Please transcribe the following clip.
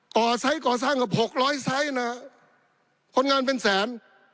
ก่อไซค์ก่อสร้างกับ๖๐๐ไซค์นะคนงานเป็นแสน